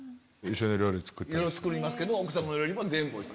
料理作りますけど奥様の料理も全部。